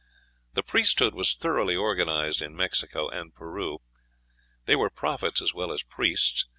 The priesthood was thoroughly organized in Mexico and Peru. They were prophets as well as priests.